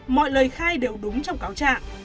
mọi lời khai đều đúng trong cáo trạng